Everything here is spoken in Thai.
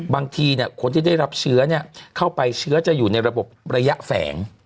บางทีคนที่ได้รับเชื้อเข้าไปเชื้อจะอยู่ในระบบระยะแฝง